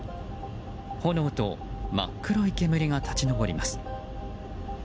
炎と真っ黒い煙が立ち上ります。